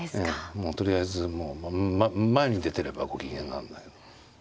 もうとりあえず前に出てればご機嫌なんだよ。